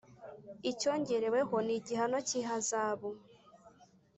icyongereweho n igihano cy ihazabu